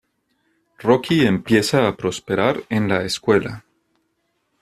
Rocky empieza a prosperar en la escuela.